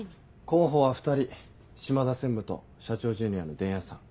候補は２人島田専務と社長ジュニアの伝弥さん。